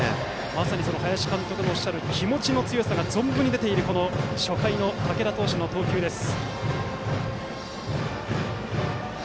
まさに林監督のおっしゃる気持ちの強さが存分に出ている初回の竹田投手の投球です。